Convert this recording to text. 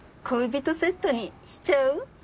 恋人セットにしちゃう？